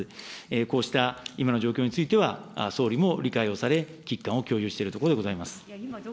こうした今の状況については、総理も理解をされ、危機感を共有しているところであります。